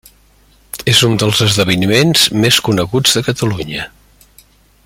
És un dels esdeveniments més coneguts de Catalunya.